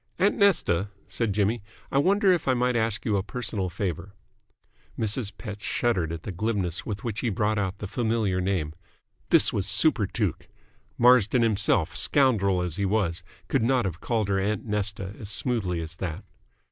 "Aunt Nesta," said Jimmy, "I wonder if I might ask you a personal favour." Mrs. Pett shuddered at the glibness with which he brought out the familiar name. This was superTuke. Marsden himself, scoundrel as he was, could not have called her "Aunt Nesta" as smoothly as that.